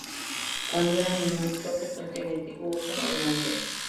Cuando era niño, Cho frecuentemente jugó como delantero.